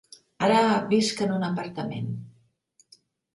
Ara visc en un apartament.